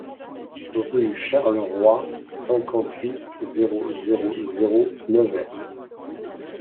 Rue Charles Roy, cinquante-huit, zéro zéro zéro Nevers